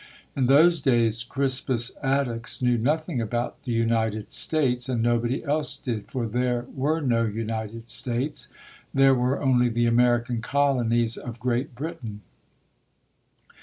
In those days Crispus Attucks knew noth ing about the United States, and nobody else did, for there were no United States. There were only the American colonies of Great Britain.